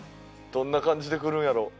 どんな感じで来るんやろう？